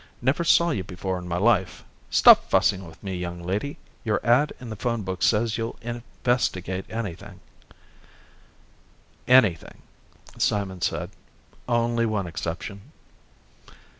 Never saw you before in my life. Stop fussing with me, young lady. Your ad in the phone book says you'll investigate anything." "Anything," Simon said. "Only one exception."